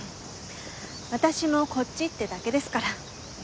私もこっちってだけですから。